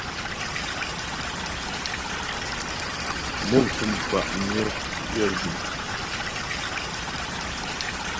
Mo pfú mfà' myə yə jʉm.